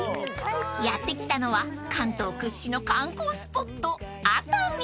［やって来たのは関東屈指の観光スポット］